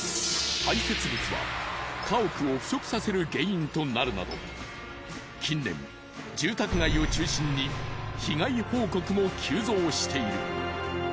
排泄物は家屋を腐食させる原因となるなど近年住宅街を中心に被害報告も急増している。